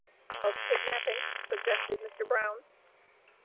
(Of kidnapping, suggested Mr. Brown.)